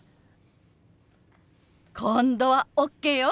今度はＯＫよ！